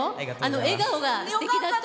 笑顔がすてきだった。